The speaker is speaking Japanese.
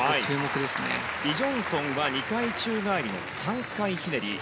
リ・ジョンソンは２回宙返りの３回ひねり。